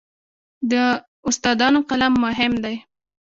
د استادانو قلم مهم دی.